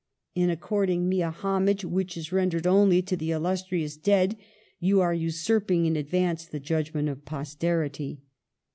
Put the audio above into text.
In according me a homage which is ren dered only to the illustrious dead, you are usurping in advance the judgment of posterity.